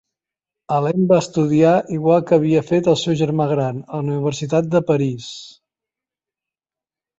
Alain va estudiar, igual que havia fet el seu germà gran, a la Universitat de París.